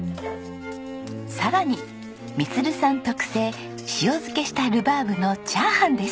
さらに満さん特製塩漬けしたルバーブのチャーハンです。